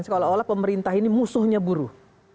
seolah olah pemerintah ini musuhnya buruh